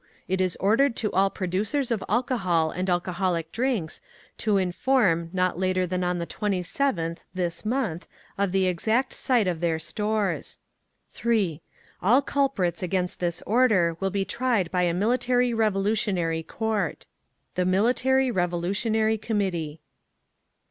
It is ordered to all producers of alcohol and alcoholic drinks to inform not later than on the 27th inst. of the exact site of their stores. 3. All culprits against this order will be tried by a Military Revolutionary Court. THE MILITARY REVOLUTIONARY COMMITTEE.